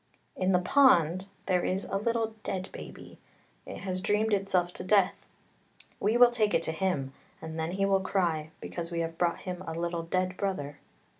"" In the pond there is a little dead baby, it has dreamed itself to death, we will take it to him, and then he will cry, because we have brought him a little dead brother.